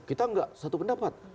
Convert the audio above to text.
kita tidak satu pendapat